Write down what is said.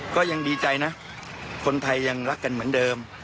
ก็ยังดีใจนะคนไทยยังรักกันเหมือนเดิม